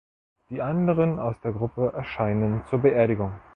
Die anderen aus der Gruppe erscheinen zur Beerdigung.